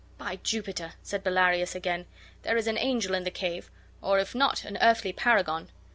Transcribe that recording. "By Jupiter!" said Bellarius, again, "there is an angel in the cave, or if not, an earthly paragon."